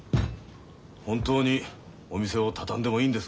本当にお店を畳んでもいいんですか？